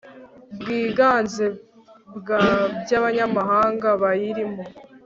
bwiganze bwa by abanyamuryango bayirimo